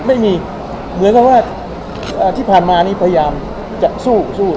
ไม่มีเหมือนกับว่าที่ผ่านมานี้พยายามจะสู้สู้